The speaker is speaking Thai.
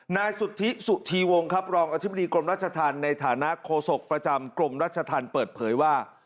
นายสุธิสุธีวงครับรองอธิบดีกรมราชธรรมในฐานะโฆษกประจำกรมรัชธรรมเปิดเผยว่า